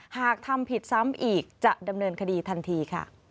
หากทำผิดซ้ำอีกจะดำเนินคดีทันทีค่ะ